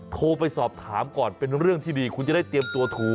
โทรไปสอบถามก่อนเป็นเรื่องที่ดีคุณจะได้เตรียมตัวถูก